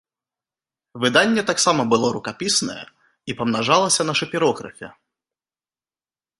Выданне таксама было рукапіснае і памнажалася на шапірографе.